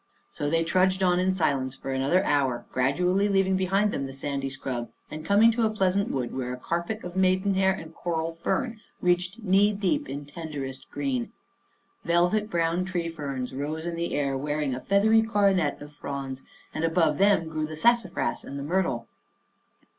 So they trudged on in silence for another hour, gradually leaving behind them the sandy scrub and coming to a pleasant wood where a carpet of maiden hair and coral fern reached knee deep in tenderest green. Velvet brown tree ferns rose in the air, wearing a feathery coronet of fronds, and above them grew the sassafras and the myrtle.